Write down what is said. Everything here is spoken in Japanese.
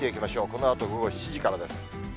このあと午後７時からです。